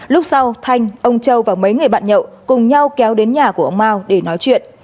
lúc sau thanh ông châu và mấy người bạn nhậu cùng nhau kéo đến nhà của ông mao để nói chuyện